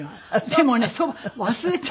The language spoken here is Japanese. でもね忘れちゃって私。